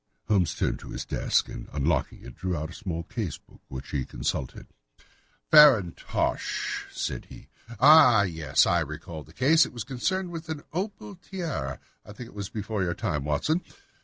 Holmes turned to his desk and, unlocking it, drew out a small case book, which he consulted. "Farintosh," said he. "Ah yes, I recall the case; it was concerned with an opal tiara. I think it was before your time, Watson.